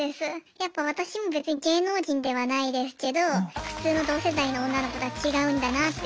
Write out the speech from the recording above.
やっぱ私も別に芸能人ではないですけど普通の同世代の女の子とは違うんだなってちょっと気持ちになれるので。